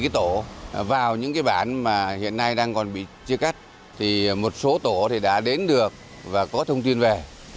một mươi bảy tổ vào những bản mà hiện nay đang còn bị chia cắt một số tổ đã đến được và có thông tin về